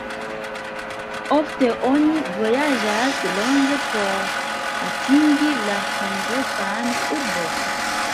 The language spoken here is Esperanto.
Ofte oni vojaĝas longe por atingi la kongresan urbon.